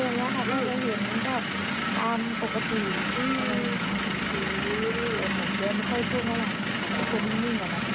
แล้วเห็นแบบความปกติที่ไม่ค่อยพูดมากคุณมีกว่าไง